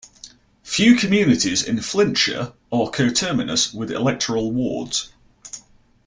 Few communities in Flintshire are coterminous with electoral wards.